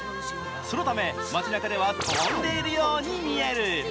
そのため街中では飛んでいるように見える。